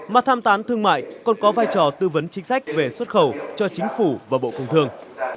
mà tham tán thương mại còn có vai trò tư vấn chính sách về xuất khẩu cho chính phủ và bộ công thương